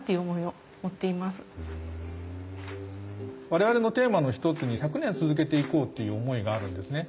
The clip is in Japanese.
我々のテーマの一つに１００年続けていこうっていう思いがあるんですね。